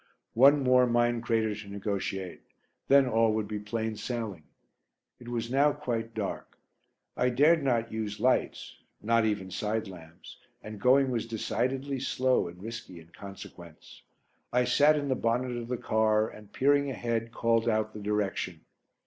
One more mine crater to negotiate; then all would be plain sailing. It was now quite dark. I dared not use lights, not, even side lamps, and going was decidedly slow and risky in consequence. I sat in the bonnet of the car and, peering ahead, called out the direction.